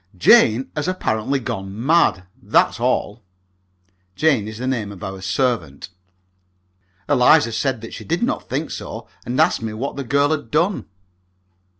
Jane has apparently gone mad, that's all." (Jane is the name of our servant.) Eliza said that she did not think so, and asked me what the girl had done.